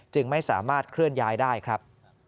จึงไม่สามารถเคลื่อนย้ายได้ครับ